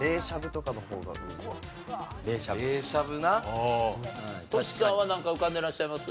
としさんはなんか浮かんでらっしゃいます？